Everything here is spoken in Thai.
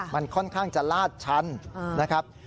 มันค่อนข้างจะลาดชันนะครับ